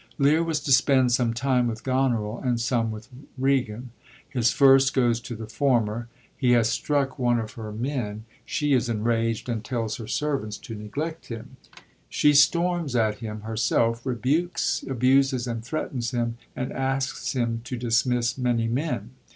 Lear was to spend some time with Goneril, and some with Regan. He first goes to the former. He has struck one of her men ; she is enraged, and tells her servants to neglect him. She storms at him herself, rebukes, abuses and threatens him, and asks him to dismiss many men.